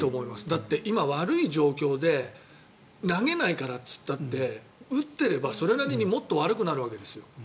だって今、悪い状況で投げないからっつったって打ってればそれなりにもっと悪くなるわけですよ。